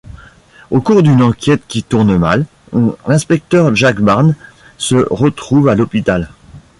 Au cours d'une enquête qui tourne mal, l'inspecteur Jack Barnes se retrouve à l'hôpital.